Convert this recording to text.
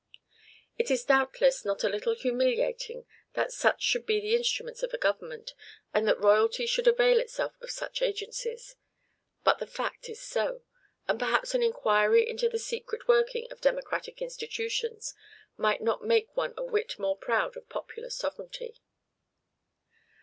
It is, doubtless, not a little humiliating that such should be the instruments of a government, and that royalty should avail itself of such agencies; but the fact is so, and perhaps an inquiry into the secret working of democratic institutions might not make one a whit more proud of Popular Sovereignty.